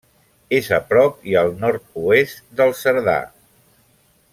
És a prop i al nord-oest del Cerdà.